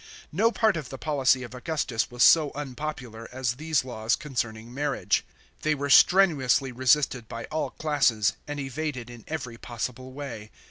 No part of the policy of Augustus was so unpopular as these laws concerning marriage. They were strenuously resisted by all classes, and evaded in every possible way.